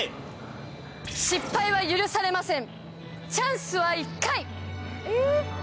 失敗は許されません。